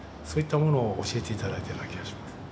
そういったものを教えて頂いたような気がします。